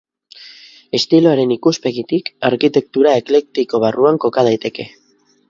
Estiloaren ikuspegitik, arkitektura eklektiko barruan koka daiteke.